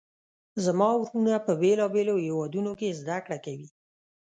زما وروڼه په بیلابیلو هیوادونو کې زده کړه کوي